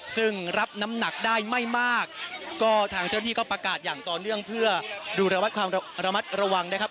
ซึ่งรับน้ำหนักได้ไม่มากก็ทางเจ้าที่ก็ประกาศอย่างต่อเนื่องเพื่อดูระวัดความระมัดระวังนะครับ